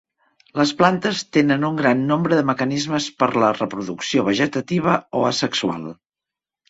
Les plantes tenen un gran nombre de mecanismes per la reproducció vegetativa o asexual.